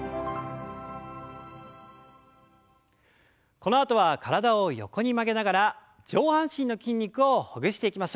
このあとは体を横に曲げながら上半身の筋肉をほぐしていきましょう。